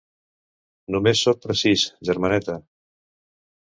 Només sóc precís, germaneta.